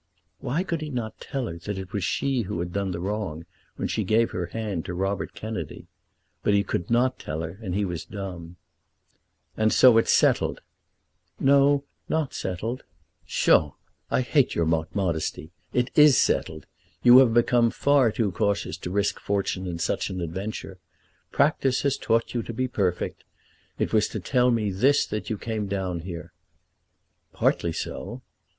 Why could he not tell her that it was she who had done the wrong when she gave her hand to Robert Kennedy? But he could not tell her, and he was dumb. "And so it's settled!" "No; not settled." "Psha! I hate your mock modesty! It is settled. You have become far too cautious to risk fortune in such an adventure. Practice has taught you to be perfect. It was to tell me this that you came down here." "Partly so."